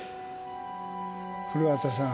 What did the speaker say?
古畑さん。